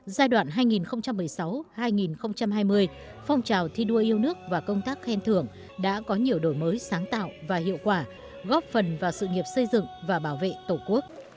giai đoạn hai nghìn một mươi sáu hai nghìn hai mươi phong trào thi đua yêu nước và công tác khen thưởng đã có nhiều đổi mới sáng tạo và hiệu quả góp phần vào sự nghiệp xây dựng và bảo vệ tổ quốc